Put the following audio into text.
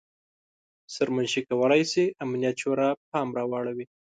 سرمنشي کولای شي امنیت شورا پام راواړوي.